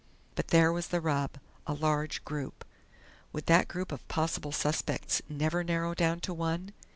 But there was the rub! A large group! Would that group of possible suspects never narrow down to one?